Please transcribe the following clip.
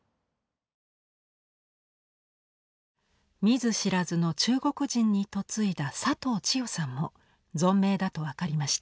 見ず知らずの中国人に嫁いだ佐藤千代さんも存命だと分かりました。